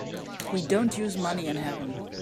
We don't use money in heaven.